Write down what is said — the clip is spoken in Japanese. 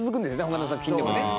他の作品でもね